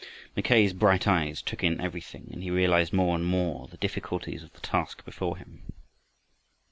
Mackay's bright eyes took in everything, and he realized more and more the difficulties of the task before him.